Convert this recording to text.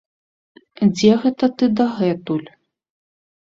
Дзе гэта ты дагэтуль?